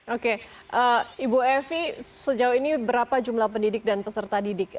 oke ibu evi sejauh ini berapa jumlah pendidik dan peserta didik